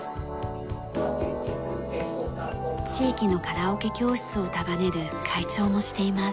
地域のカラオケ教室を束ねる会長もしています。